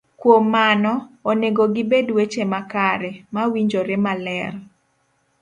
Kuom mano, onego gibed weche makare, mawinjore maler,